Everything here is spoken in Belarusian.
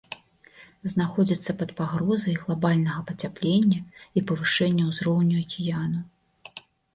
Знаходзяцца пад пагрозай глабальнага пацяплення і павышэння ўзроўню акіяну.